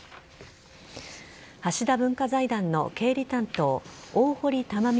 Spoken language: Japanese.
橋田文化財団の経理担当大堀たまみ